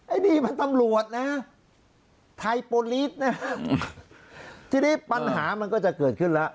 อันนี้มันตำรวจนะไทยโปรลีสนะทีนี้ปัญหามันก็จะเกิดขึ้นแล้ว